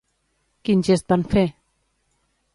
Quin gest van fer?